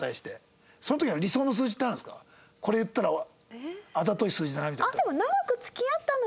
これ言ったらあざとい数字だなみたいな。